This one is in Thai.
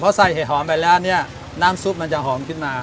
พอใส่เห็ดหอมไปแล้วเนี่ยน้ำซุปมันจะหอมขึ้นมา